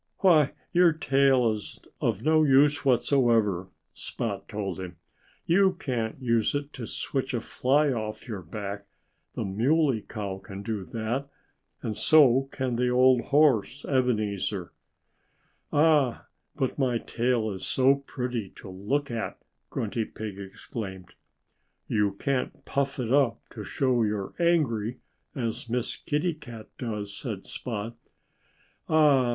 "Why, your tail is of no use whatsoever," Spot told him. "You can't use it to switch a fly off your back. The Muley Cow can do that. And so can the old horse, Ebenezer." "Ah! But my tail is so pretty to look at!" Grunty Pig exclaimed. "You can't puff it up to show you're angry, as Miss Kitty Cat does," said Spot. "Ah!